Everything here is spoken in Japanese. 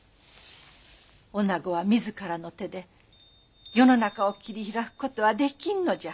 おなごは自らの手で世の中を切り開くことはできんのじゃ。